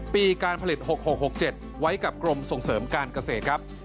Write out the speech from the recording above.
ปีการผลิต๖๖๖๗ไว้กับกรมส่งเสริมการเกษตรครับ